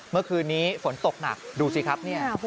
เมื่อคืนนี้ฝนตกหนักดูสิครับเนี่ย